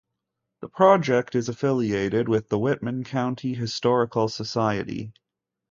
The project is affiliated with the Whitman County Historical Society.